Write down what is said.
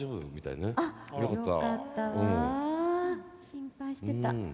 心配してた。